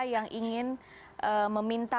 yang ingin meminta